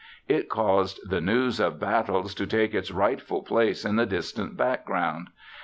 It caused the news of battles to take its rightful place in the distant background.